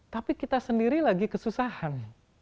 tapi kita sendiri lagi kesusahan